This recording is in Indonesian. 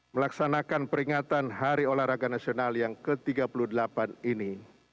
melaksanakan peringatan hari olahraga nasional yang ke tiga puluh delapan ini